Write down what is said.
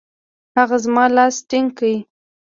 هغه زما لاس ټینګ کړ.